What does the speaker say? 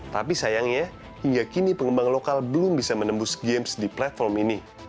tapi sayangnya hingga kini pengembang lokal belum bisa menembus games di platform ini